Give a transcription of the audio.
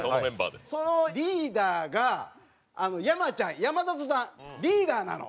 そのリーダーが山ちゃん山里さんリーダーなの。